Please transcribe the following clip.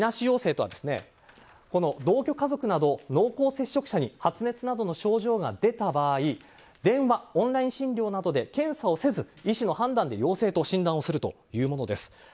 陽性とは、同居家族など濃厚接触者に発熱などの症状が出た場合電話、オンライン診療などで検査をせず医師の判断で陽性と診断をするというものです。